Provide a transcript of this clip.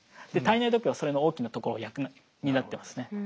体内時計はそれの大きなところを担ってますね。